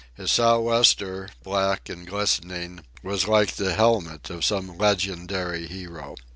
His sou'wester, black and glistening, was like the helmet of some legendary hero.